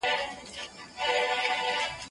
که وخت وي، سبزیجات وچوم؟